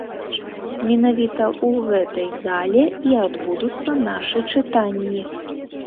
Менавіта ў гэтай зале і адбудуцца нашы чытанні.